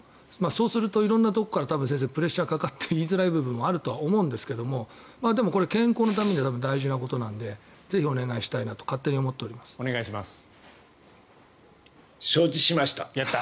そうすると色んなところからプレッシャーがかかって言いづらい部分もあると思うんですがでも、健康のためには大事なことなのでぜひお願いしたいなと勝手に思っております。